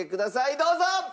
どうぞ！